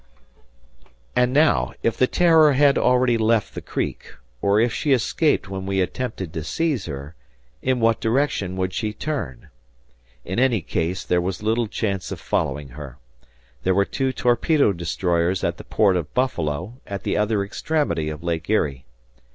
And now, if the "Terror" had already left the creek, or if she escaped when we attempted to seize her, in what direction would she turn? In any case, there was little chance of following her. There were two torpedo destroyers at the port of Buffalo, at the other extremity of Lake Erie.